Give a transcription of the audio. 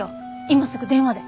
今すぐ電話で。